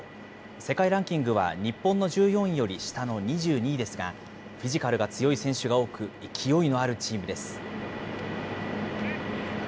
世界ランキングは日本の１４位より下の２２位ですが、フィジカルが強い選手が多く、勢いのあるチームです。